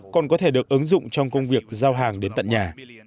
còn có thể được ứng dụng trong công việc giao hàng đến tận nhà